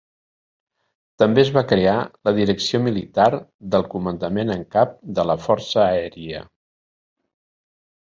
També es va crear la Direcció Militar del Comandament en Cap de la Força Aèria.